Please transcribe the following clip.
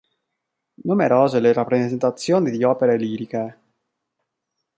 Numerose le rappresentazioni di opere liriche.